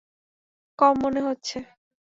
কম মনে হচ্ছে।